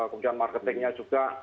kemudian marketingnya juga